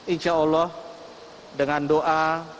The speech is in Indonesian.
insya allah dengan doa